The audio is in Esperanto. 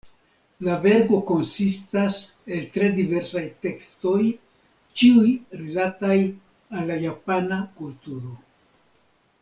La verko konsistas el tre diversaj tekstoj, ĉiuj rilataj al la Japana kulturo.